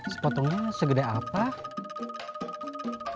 spotongnya segede apa